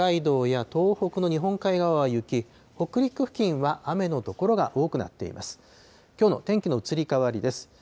北海道や東北の日本海側は雪、北陸付近は雨の所が多くなっています。